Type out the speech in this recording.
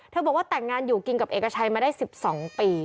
บอกว่าแต่งงานอยู่กินกับเอกชัยมาได้๑๒ปี